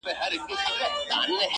زه کرۍ ورځ په درنو بارونو بار یم٫